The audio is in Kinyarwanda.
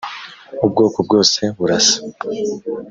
ubwoko bwose burasa.